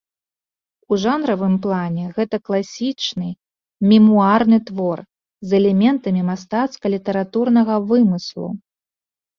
У жанравым плане гэта класічны мемуарны твор з элементамі мастацка-літаратурнага вымыслу.